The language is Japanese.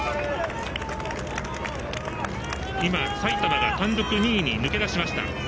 埼玉が単独２位になりました。